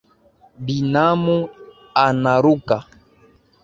Binamu anaruka